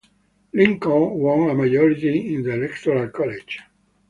Lincoln won a majority in the Electoral College.